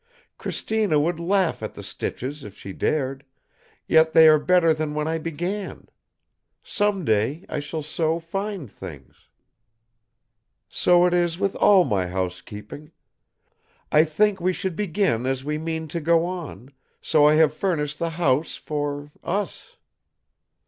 Cristina would laugh at the stitches if she dared, yet they are better than when I began. Some day I shall sew fine things. So it is with all my housekeeping. I think we should begin as we mean to go on, so I have furnished the house for us.